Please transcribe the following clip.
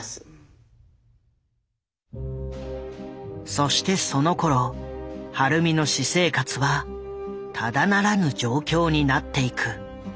そしてそのころ晴美の私生活はただならぬ状況になっていく。